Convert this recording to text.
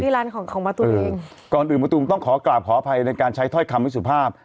ร้านของของมะตูมเองก่อนอื่นมะตูมต้องขอกราบขออภัยในการใช้ถ้อยคำวิสุภาพ